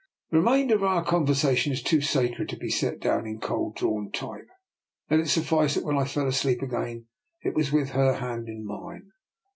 The remainder of our conversation is too sacred to be set down in cold drawn type. Let it suffice that when I fell asleep again it was with her hand in mine.